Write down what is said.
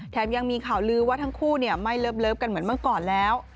ยังมีข่าวลือว่าทั้งคู่ไม่เลิฟกันเหมือนเมื่อก่อนแล้ว